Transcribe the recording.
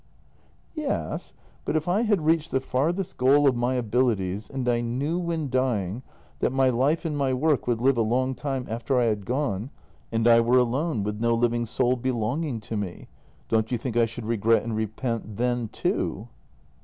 " Yes, but if I had reached the farthest goal of my abilities and I knew, when dying, that my life and my work would live a long time after I had gone — and I were alone, with no living soul belonging to me, don't you think I should regret and re pent then too?